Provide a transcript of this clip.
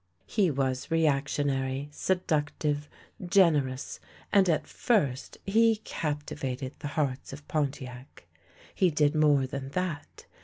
He was reactionary, seductive, generous, and at first he captivated the hearts of Pontiac. He did more than that.